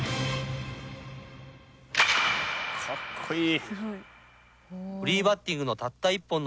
かっこいい。